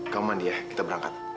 kamu mandi ya kita berangkat